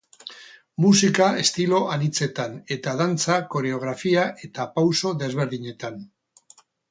Musika estilo anitzetan, eta dantza koreografia eta pauso desberdinetan.